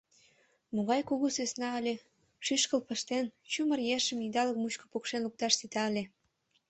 Могай кугу сӧсна ыле, шӱшкыл пыштен, чумыр ешым идалык мучко пукшен лукташ сита ыле.